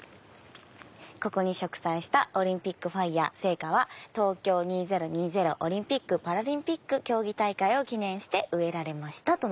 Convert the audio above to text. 「ここに植栽したオリンピックファイヤー聖火は東京２０２０オリンピック・パラリンピック競技大会を記念して植えられました」。